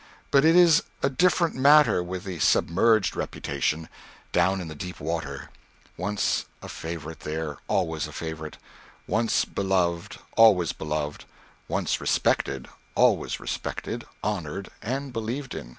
But it is a different matter with the submerged reputation down in the deep water; once a favorite there, always a favorite; once beloved, always beloved; once respected, always respected, honored, and believed in.